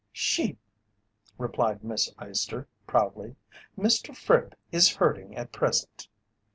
"Sheep," replied Miss Eyester, proudly. "Mr. Fripp is herding at present."